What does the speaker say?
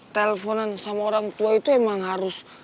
teleponan sama orang tua itu emang harus